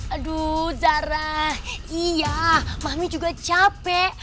aduh zara iya mami juga capek